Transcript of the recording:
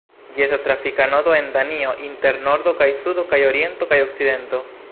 Ĝi estas trafika nodo en Danio inter nordo kaj sudo kaj oriento kaj okcidento.